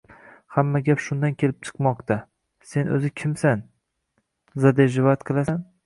Hamma gap shundan kelib chiqmoqtsa! Sen o‘zi kimsan-ki, «zaderjivat» qilasan?